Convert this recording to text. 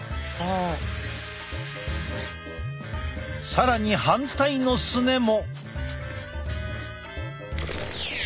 更に反対のすねも。